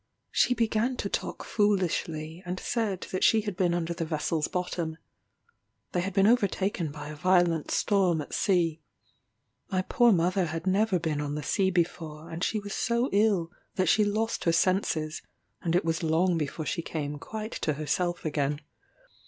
She began to talk foolishly, and said that she had been under the vessel's bottom. They had been overtaken by a violent storm at sea. My poor mother had never been on the sea before, and she was so ill, that she lost her senses, and it was long before she came quite to herself again.